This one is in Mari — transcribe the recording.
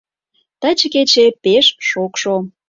Таче кече пеш шокшо.